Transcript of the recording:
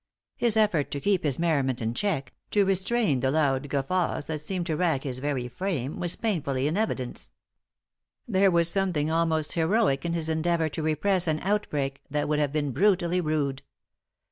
His effort to keep his merriment in check, to restrain the loud guffaws that seemed to rack his very frame, was painfully in evidence. There was something almost heroic in his endeavor to repress an outbreak that would have been brutally rude.